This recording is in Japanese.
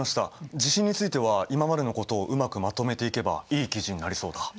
地震については今までのことをうまくまとめていけばいい記事になりそうだ。